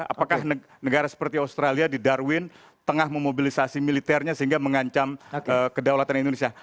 apakah negara seperti australia di darwin tengah memobilisasi militernya sehingga mengancam kedaulatan indonesia